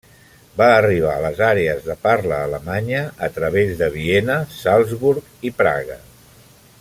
Va arribar a les àrees de parla alemanya a través de Viena, Salzburg i Praga.